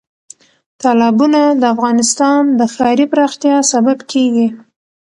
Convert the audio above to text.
تالابونه د افغانستان د ښاري پراختیا سبب کېږي.